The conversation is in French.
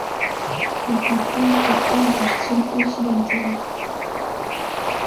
La peinture est proche du style occidental.